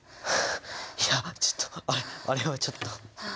いやちょっとあれはちょっと。